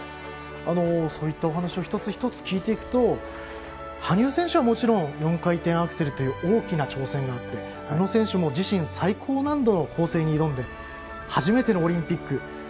そういったお話を一つ一つ聞いていくと羽生選手はもちろん４回転アクセルという大きな挑戦があって宇野選手も自身最高難度の構成に挑んで初めてのオリンピック。